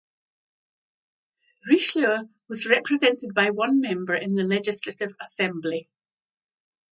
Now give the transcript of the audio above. Richelieu was represented by one member in the Legislative Assembly.